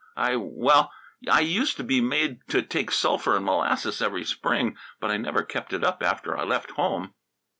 "I well, I used to be made to take sulphur and molasses every spring ... but I never kept it up after I left home."